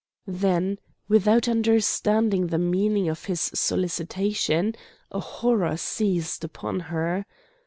Then without understanding the meaning of his solicitation a horror seized upon her.